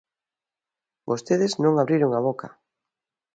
Vostedes non abriron a boca.